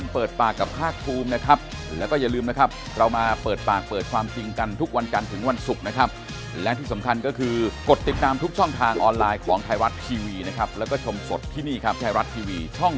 ผมก็กังวลแล้ว